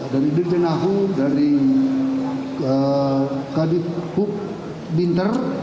dari dirjen ahu dari kadipuk bintar